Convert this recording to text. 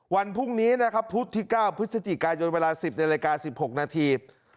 วันพรุ่งนี้นะครับพุธที่๙พฤศจิกายนเวลา๑๐นาฬิกา๑๖นาที